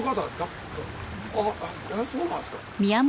そうなんですか。